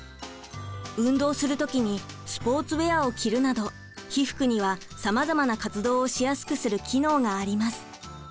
運動する時にスポーツウェアを着るなど被服にはさまざまな活動をしやすくする機能があります。